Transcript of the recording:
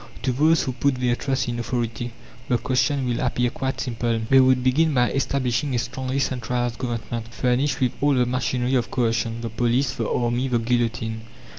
To those who put their trust in "authority" the question will appear quite simple. They would begin by establishing a strongly centralized Government, furnished with all the machinery of coercion the police, the army, the guillotine.